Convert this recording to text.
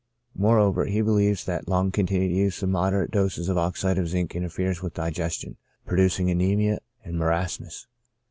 More over, he believes that the long continued use of moderate doses of oxide of zinc interferes with digestion, producing anaemia and marasmus.